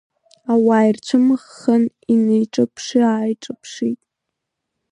Ауаа ирцәымыӷхан, инеиҿаԥшы-ааиҿаԥшит.